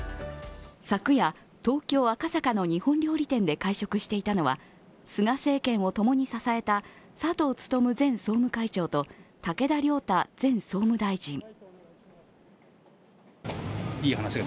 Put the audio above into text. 昨夜、東京・赤坂の日本料理店で会食していたのは、菅政権を共に支えた佐藤勉前総務会長と武田良太前総務大臣。